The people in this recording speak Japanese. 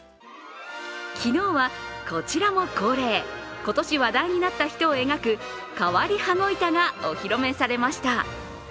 昨日はこちらも恒例、今年話題になった人を描く、変わり羽子板がお披露目されました。